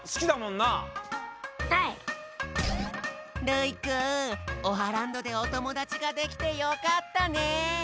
るいくんオハランドでおともだちができてよかったね。